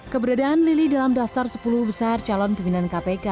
keberadaan lili dalam daftar sepuluh besar calon pimpinan kpk